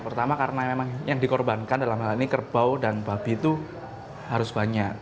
pertama karena memang yang dikorbankan dalam hal ini kerbau dan babi itu harus banyak